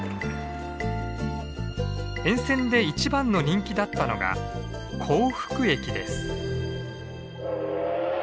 沿線で一番の人気だったのが幸福駅です。